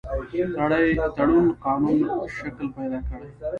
تړون قانوني شکل پیدا کړي.